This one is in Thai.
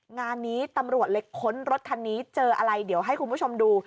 งานนี้ตำรวจเลยค้นรถคันนี้เจออะไรเดี๋ยวให้คุณผู้ชมดู